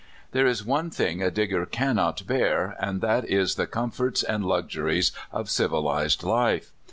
There is one thing a Digger cannot bear, and that is the comforts and luxuries of civilized life.